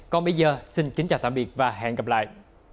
còn bây giờ xin kính chào tạm biệt và hẹn gặp lại